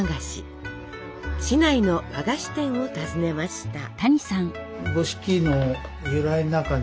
市内の和菓子店を訪ねました。